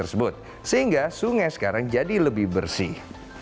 sehingga sungai sekarang jadi lebih bersih